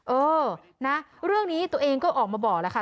เออนะเรื่องนี้ตัวเองก็ออกมาบอกแล้วค่ะ